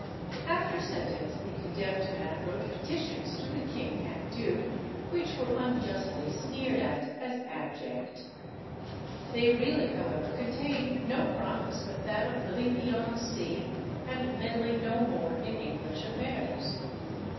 After sentence the condemned man wrote petitions to the king and duke, which were unjustly sneered at as abject. They really, however, contain no promise but that of living beyond sea and meddling no more in English affairs.